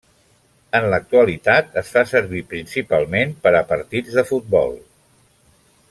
En l'actualitat es fa servir principalment per a partits de futbol.